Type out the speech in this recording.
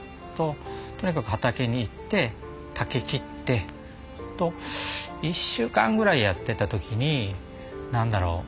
とにかく畑に行って竹切って。と１週間ぐらいやってた時に何だろう。